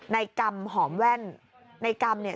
ในกรรมหอมแว่นในกรรมเนี่ย